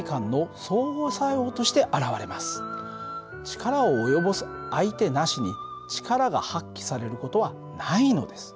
力を及ぼす相手なしに力が発揮される事はないのです。